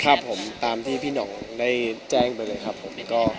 ครับผมตามที่พี่หน่องได้แจ้งไปเลยครับผมก็